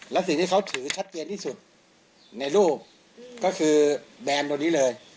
แล้วสิ่งที่เขาถือชัดเจนที่สุดในรูปก็คือแบรนด์ตัวนี้เลย